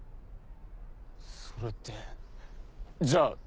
それってじゃあ。